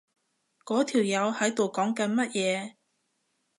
嗰條友喺度講緊乜嘢？